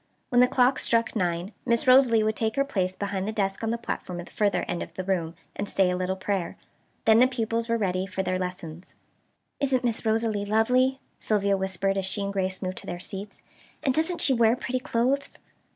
When the clock struck nine Miss Rosalie would take her place behind the desk on the platform at the further end of the room, and say a little prayer. Then the pupils were ready for their lessons. "Isn't Miss Rosalie lovely," Sylvia whispered as she and Grace moved to their seats, "and doesn't she wear pretty clothes?"